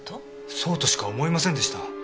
そうとしか思えませんでした。